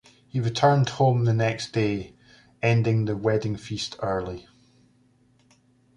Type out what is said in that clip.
He returned home the next day, ending the wedding feast early.